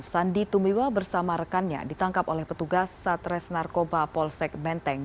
sandi tumiwa bersama rekannya ditangkap oleh petugas satres narkoba polsek menteng